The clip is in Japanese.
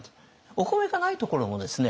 お米がないところもですね